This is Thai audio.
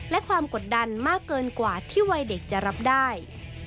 และความกดดันมากเกินกว่าที่วัยเด็กจะรับได้